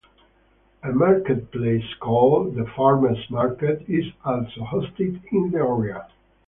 A marketplace called the Farmer's Market is also hosted in the area.